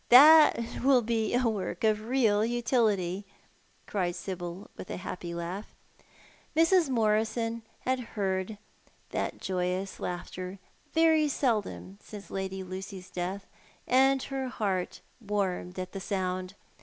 That will be a work of real utility,"' cried Sibyl, with a happy laugh. Mrs. jNIorison had heard that joyous laughter very seldom since Lady Lucy's death, and her heart warmed at the sound.